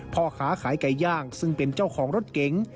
พ่อค้าขายไก่ย่างซึ่งเป็นเจ้าของรถเก๋ง